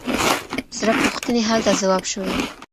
ثره پوښتنې هلته ځواب شوي.